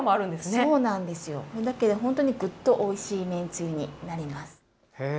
それだけで本当にぐっとおいしいめんつゆになります。